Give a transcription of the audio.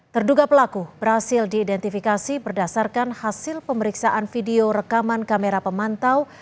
terduga pelaku berhasil diidentifikasi berdasarkan hasil pemeriksaan video rekaman kamera pemantau